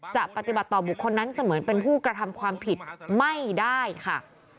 จะปฏิบัติต่อบุคคลนั้นเสมือนเป็นผู้กระทำความผิดไม่ได้ค่ะ